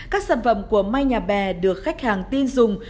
các sản phẩm của mai nhà bè được khách hàng tin dùng